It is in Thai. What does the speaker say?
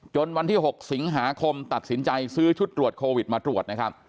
วันที่๖สิงหาคมตัดสินใจซื้อชุดตรวจโควิดมาตรวจนะครับ